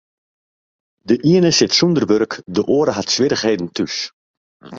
De iene sit sûnder wurk, de oare hat swierrichheden thús.